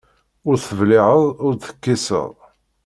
Ur tebliɛeḍ ur d-tekkiseḍ.